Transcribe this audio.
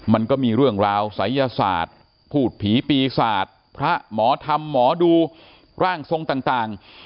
มันก็มีเรื่องราวศัยยศาสตร์พูดผีปีศาจพระหมอธรรมหมอดูร่างทรงต่าง